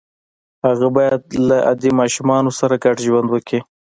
هغه باید له عادي ماشومانو سره ګډ ژوند وکړي